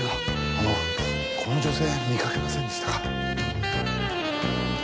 あのこの女性見かけませんでしたか？